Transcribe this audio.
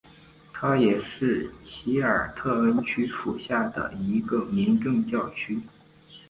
它也是奇尔特恩区属下的一个民政教区。